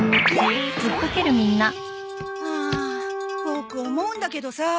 ボク思うんだけどさ